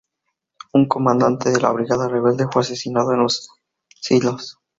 Un comandante de la brigada rebelde fue asesinado en los silos.